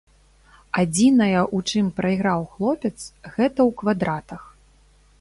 Адзінае, у чым прайграў хлопец, гэта ў квадратах.